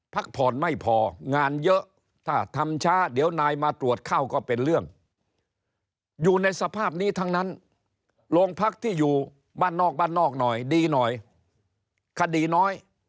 พักผ่อนไม่พองานเยอะถ้าทำช้าเดี๋ยวนายมาตรวจเข้าก็เป็นเรื่องอยู่ในสภาพนี้ทั้งนั้นโรงพักที่อยู่บ้านนอกบ้านนอกหน่อยดีหน่อยคดีน้อย